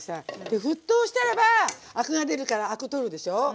で沸騰したらばアクが出るからアクを取るでしょう。